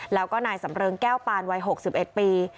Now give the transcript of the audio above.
แล้วก็นายสำเริงแก้วปานวัย๖๑ปี